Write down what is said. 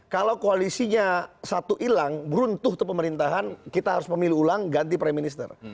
kalau koalisinya satu hilang beruntuh ke pemerintahan kita harus memilih ulang ganti prime minister